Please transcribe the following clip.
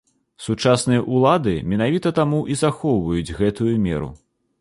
Сучасныя ўлады менавіта таму і захоўваюць гэтую меру.